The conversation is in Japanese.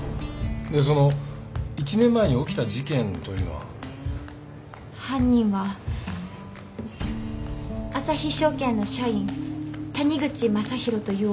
でその１年前に起きた事件というのは？犯人は旭証券の社員谷口正博という男。